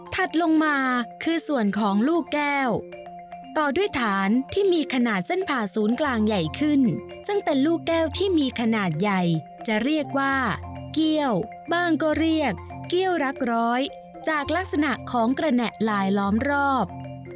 ถัดลงมาคือส่วนของลูกแก้วต่อด้วยฐานที่มีขนาดเส้นผ่าศูนย์กลางใหญ่ขึ้นซึ่งเป็นลูกแก้วที่มีขนาดใหญ่จะเรียกว่าเกี้ยวบ้างก็เรียกเกี้ยวรักร้อยจากลักษณะของกระแหน่ลายล้อมรอบ